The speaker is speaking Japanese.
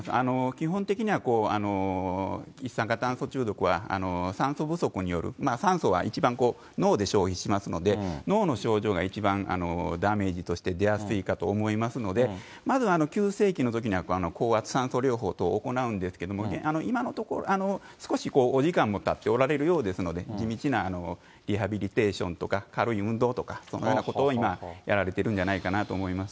基本的には一酸化炭素中毒は酸素不足による、酸素は一番こう、脳で消費しますので、脳の症状が一番ダメージとして出やすいかと思いますので、まずは急性期のときには高圧酸素療法を行うんですけれども、今のところ、少しお時間もたっておられるようですので、地道なリハビリテーションとか、軽い運動とか、そのようなことを今、やられてるんじゃないかなと思います。